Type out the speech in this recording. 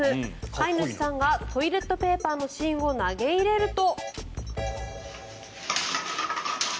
飼い主さんがトイレットペーパーの芯を投げ入れると。